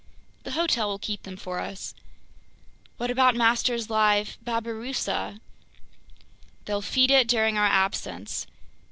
"The hotel will keep them for us." "What about master's live babirusa?" "They'll feed it during our absence.